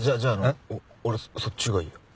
そっちがいいや。